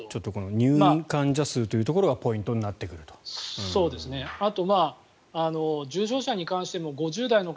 入院患者数というところがポイントになってくると。